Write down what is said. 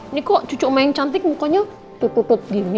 ini kok cucu emang yang cantik mukanya tutup tutup gini